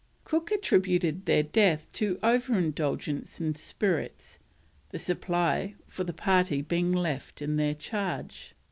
Cook attributed their death to overindulgence in spirits, the supply for the party being left in their charge.